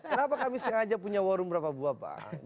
kenapa kami sengaja punya war room berapa buah bang